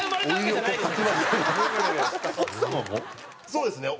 そうですね。